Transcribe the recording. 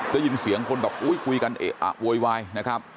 ได้ยินเสียงคนแบบอุ้ยคุยกันเอะอะโวยวายนะครับ